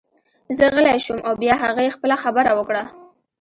زه غلی شوم او بیا هغې خپله خبره وکړه